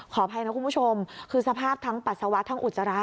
อภัยนะคุณผู้ชมคือสภาพทั้งปัสสาวะทั้งอุจจาระ